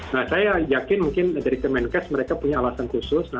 nah saya yakin mungkin dari kemenkes mereka punya alasan khusus